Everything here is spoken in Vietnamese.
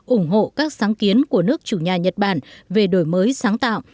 ủng hộ các sáng kiến của nước chủ nhà nhật bản về đổi mới sáng tạo